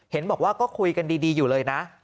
เห็นบอกว่าก็คุยกันดีอยู่เลยนะ